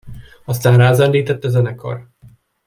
Aztán rázendített a zenekar.